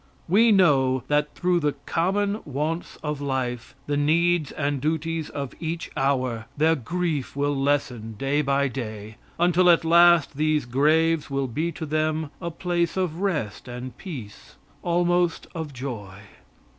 We know that through the common wants of life, the needs and duties of each hour, their grief will lessen day by day until at last these graves will be to them a place of rest and peace almost of joy.